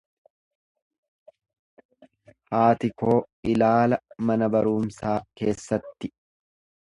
Haati koo ilaala mana barumsaa keessatti.